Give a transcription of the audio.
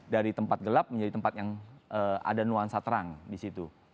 dari tempat gelap menjadi tempat yang ada nuansa terang di situ